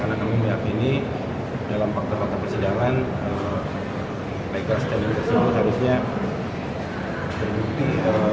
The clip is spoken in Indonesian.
karena kami yakin dalam faktor faktor persidangan legal standing itu harusnya terbukti